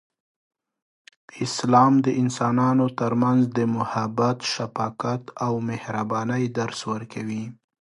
اسلام د انسانانو ترمنځ د محبت، شفقت، او مهربانۍ درس ورکوي.